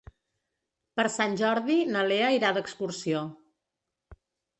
Per Sant Jordi na Lea irà d'excursió.